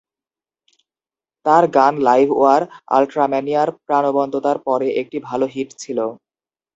তার গান "live war" "আল্ট্রাম্যানিয়া"র প্রাণবন্ততার পরে একটি ভাল হিট ছিল।